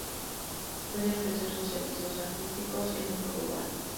Puede ofrecer sus servicios artísticos en otro lugar".